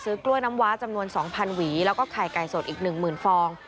ซื้อกล้วยน้ำวาจำนวนสองพันหวีแล้วก็ไข่ไก่สดอีกหนึ่งหมื่นฟอง